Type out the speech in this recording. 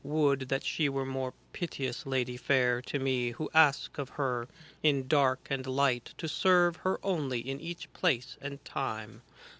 Would that she were more piteous Lady fair To me, who ask of her, in dark and light. To serve her only in each place and time.